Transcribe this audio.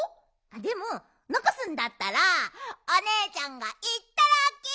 でものこすんだったらおねえちゃんがいっただき。